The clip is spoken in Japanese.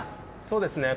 そうですね。